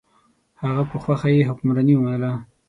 د هغه په خوښه یې حکمراني ومنله.